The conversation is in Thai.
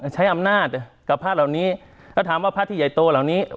ใช้อำนาจกับพระเหล่านี้แล้วถามว่าพระที่ใหญ่โตเหล่านี้